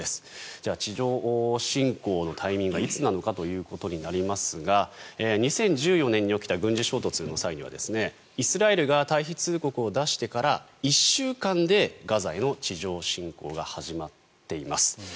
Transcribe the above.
じゃあ、地上侵攻のタイミングはいつなのかとなりますが２０１４年に起きた軍事衝突の際にはイスラエルが退避通告を出してから１週間でガザへの地上侵攻が始まっています。